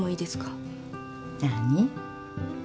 何？